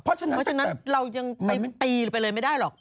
เพราะฉะนั้นเรายังตีหรือไปเลยไม่ได้หรอก